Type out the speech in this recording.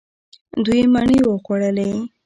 دوی مڼې وخوړلې.